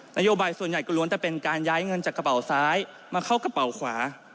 นโยบายส่วนใหญ่ก็ล้วนจะเป็นการย้ายเงินจากกระเป๋าซ้ายมาเข้ากระเป๋าขวา